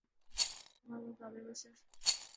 اماں بمقابلہ بشر